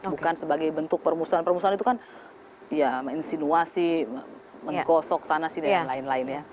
bukan sebagai bentuk permusuhan permusuhan itu kan ya insinuasi mengkosok sana sih dan lain lain ya